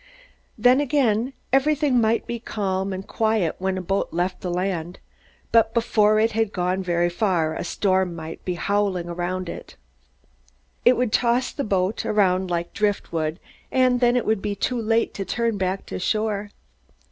Then again everything might be calm and quiet when a boat left the land. But before it had gone very far a storm might be howling all around. It would toss the boat around like driftwood, and then it would be too late to turn back to shore.